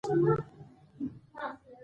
هم ډنګر وو هم له رنګه لکه سکور وو